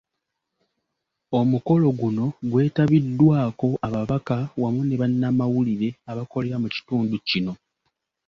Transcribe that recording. Omukolo guno gwetabiddwako ababaka wamu ne bannamawulire abakolera mu kitundu kino.